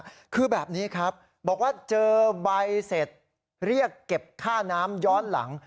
ขาขึ้นใช่ไหมฮะคือแบบนี้ครับบอกว่าเจอใบเสร็จเรียกเก็บค่าน้ำย้อนหลัง